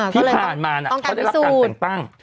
ที่ผ่านมาเขาได้รับการแต่งตั้ง